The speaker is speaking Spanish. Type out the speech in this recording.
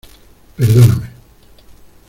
¡ perdóname!